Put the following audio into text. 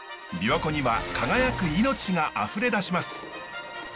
びわ湖には輝く命があふれ出します。